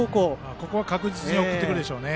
ここは確実に送ってくるでしょうね。